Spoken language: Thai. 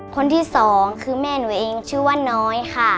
คนที่สองคือแม่หนูเองชื่อว่าน้อยค่ะ